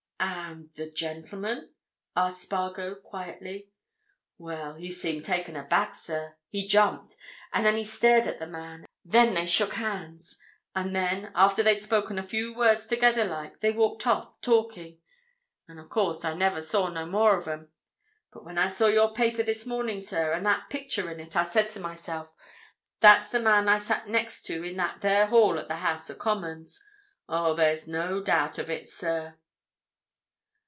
"And—the gentleman?" asked Spargo, quietly. "Well, he seemed taken aback, sir. He jumped. Then he stared at the man. Then they shook hands. And then, after they'd spoken a few words together like, they walked off, talking. And, of course, I never saw no more of 'em. But when I saw your paper this morning, sir, and that picture in it, I said to myself 'That's the man I sat next to in that there hall at the House of Commons!' Oh, there's no doubt of it, sir!"